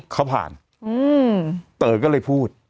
เขาผ่านเต๋อก็เลยพูด